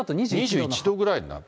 ２１度ぐらいになる。